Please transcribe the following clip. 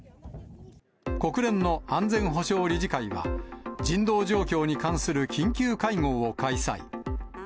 国連の安全保障理事会は、人道状況に関する緊急会合を開催。